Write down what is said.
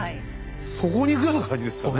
そこに行くような感じですかね？